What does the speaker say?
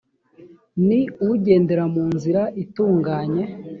ni ugendera mu nzira itunganye